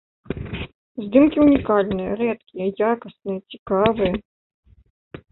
Здымкі ўнікальныя, рэдкія, якасныя, цікавыя.